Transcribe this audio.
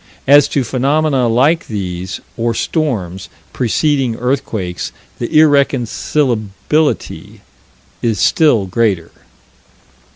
As to phenomena like these, or storms, preceding earthquakes, the irreconcilability is still greater.